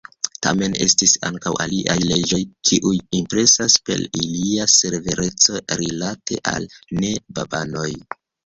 Tamen estis ankaŭ aliaj leĝoj, kiuj impresas per ilia severeco rilate al ne-babanoj.